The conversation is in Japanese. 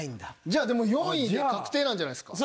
じゃあでも４位で確定なんじゃないですか？